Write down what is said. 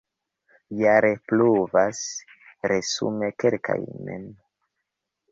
Jare pluvas resume kelkaj mm.